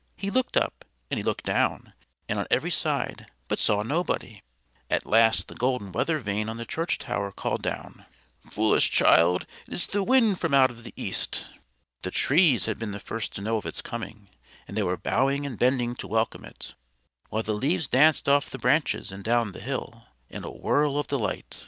He looked up, and he looked down, and on every side, but saw nobody! At last the golden weather vane on the church tower called down: "Foolish child, it is the wind from out of the east." The trees had been the first to know of its coming, and they were bowing and bending to welcome it; while the leaves danced off the branches and down the hill, in a whirl of delight.